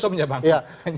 hanya momen itu punya bang